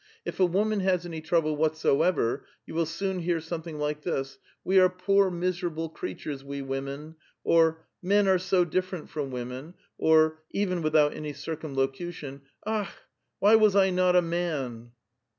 If a woman has any trouble whatso ever, you will soon hear something like this :' We are poor miserahle (jreatures, we women !' or, ' Men are so different from wom. Mi !' or even without any circumlocution, ^Akhl whv was I not a man